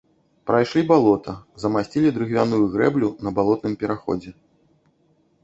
Прайшлі балота, замасцілі дрыгвяную грэблю на балотным пераходзе.